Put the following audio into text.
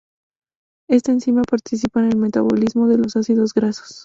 Esta enzima participa en el metabolismo de los ácidos grasos.